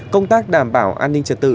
công tác đảm bảo an ninh trật tự